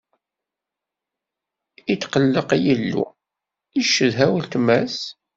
Itqelleq yilu, icedha weltma-s.